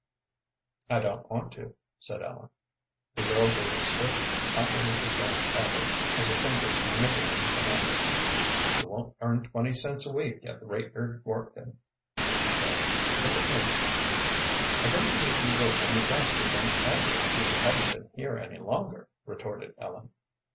"I don't want to," said Ellen. The girl gave a swift, comprehensive glance at her as her fingers manipulated the knots. "You won't earn twenty cents a week at the rate you're workin'," she said; "look at me." "I don't believe you worked any faster than I do when you hadn't been here any longer," retorted Ellen.